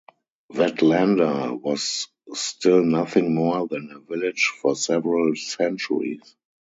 Vetlanda was still nothing more than a village for several centuries.